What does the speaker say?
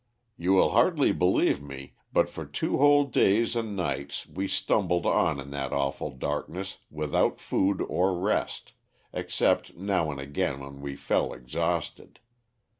"You will hardly believe me, but for two whole days and nights we stumbled on in that awful darkness without food or rest, except now and again when we fell exhausted.